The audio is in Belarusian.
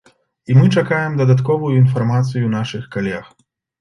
І мы чакаем дадатковую інфармацыю нашых калег.